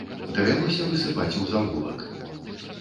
Давялося высыпаць у завулак.